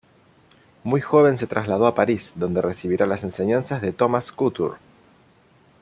Muy joven se trasladó a París, donde recibirá las enseñanzas de Thomas Couture.